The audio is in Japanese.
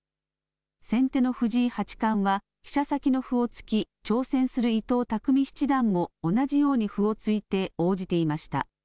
先手の藤井八冠は飛車先の歩を突き、挑戦する伊藤匠七段も同じように歩を突いて応じていました。